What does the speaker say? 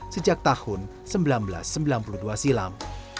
sejak tahun seribu sembilan ratus sembilan puluh dua silam